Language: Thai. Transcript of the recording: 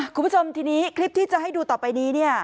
คุณผู้ชมทีนี้คลิปที่จะให้ดูต่อไปนี้เนี่ย